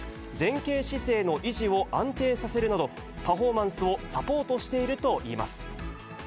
前傾姿勢の維持を安定させるなど、パフォーマンスをサポートしているといいます。